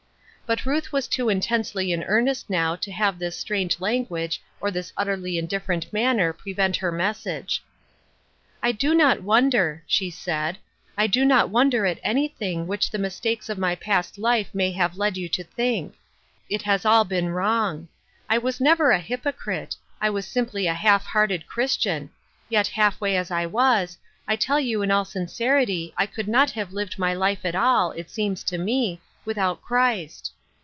But Ruth was too intensely in earnest now to have this strange language or this utterly indiffer ent manner prevent her message. " I do not wonder," she said, " I do not wonder at anything which the mistakes of my past life may have led you to think ; it has all been wrong. I was never a hypocrite ; I was simply a half hearted Christian ; yet half way as I was, I tell you in all sincerity I could not have lived my life at all, it seems to me, without Christ.